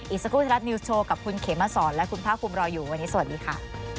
อีกสักครู่ไทยรัฐนิวส์โชว์กับคุณเขมสอนและคุณภาคภูมิรออยู่วันนี้สวัสดีค่ะ